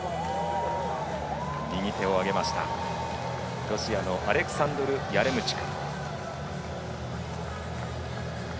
右手を上げましたロシアのアレクサンドル・ヤレムチュク。